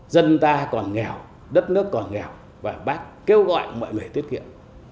dân ta còn nghèo đất nước còn nghèo và bác kêu gọi mọi người tiết kiệm